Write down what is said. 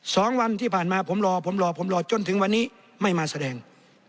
สองวันที่ผ่านมาผมรอผมรอผมรอจนถึงวันนี้ไม่มาแสดง